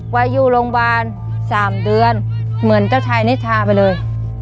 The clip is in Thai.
วัยอยู่โรงบาลสามเดือนเหมือนเจ้าชายนิทราไปเลย